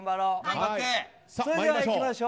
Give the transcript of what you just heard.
それではいきましょう。